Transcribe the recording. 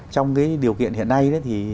trong cái điều kiện hiện nay